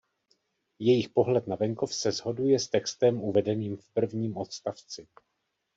Jejich pohled na venkov se shoduje s textem uvedeném v prvním odstavci.